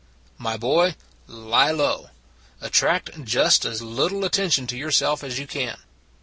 My boy, lie low! Attract just as little atten tion to yourself as you can.